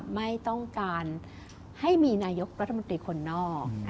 ไม่ต้องการให้มีนายกรัฐมนตรีคนนอก